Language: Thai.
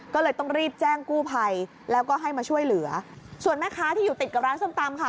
ก็เลยต้องรีบแจ้งกู้ภัยแล้วก็ให้มาช่วยเหลือส่วนแม่ค้าที่อยู่ติดกับร้านส้มตำค่ะ